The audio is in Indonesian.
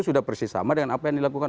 sudah persis sama dengan apa yang dilakukan